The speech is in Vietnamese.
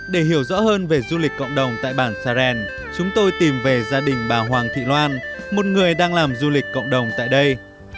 để hiểu rõ hơn về du lịch cộng đồng tại bản sa rèn chúng tôi tìm về gia đình bà hoàng thị loan một người đang làm du lịch cộng đồng tại đây